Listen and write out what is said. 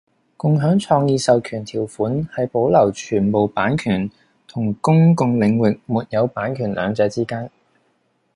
共享創意授權條款係保留全部版權同公共領域沒有版權兩者之間